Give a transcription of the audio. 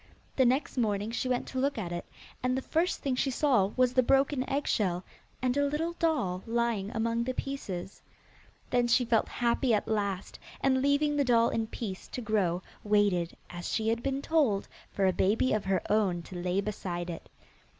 The next morning she went to look at it, and the first thing she saw was the broken eggshell, and a little doll lying among the pieces. Then she felt happy at last, and leaving the doll in peace to grow, waited, as she had been told, for a baby of her own to lay beside it.